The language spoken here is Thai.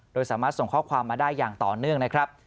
โดยสามารถส่งข้อความมาได้อย่างต่อเนื่องนะครับ